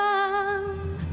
sambil demam ny lahir